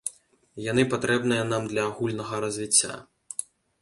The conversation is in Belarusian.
Яны патрэбныя нам для агульнага развіцця.